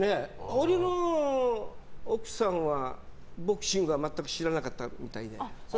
俺の奥さんは、ボクシングは全く知らなかったみたいで。